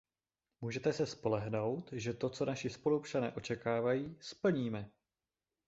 Můžete se spolehnout, že to, co naši spoluobčané očekávají, splníme.